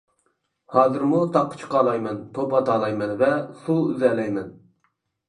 ھازىرمۇ تاغقا چىقالايمەن، توپ ئاتالايمەن ۋە سۇ ئۈزەلەيمەن.